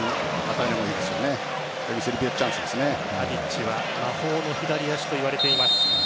タディッチは魔法の左足といわれています。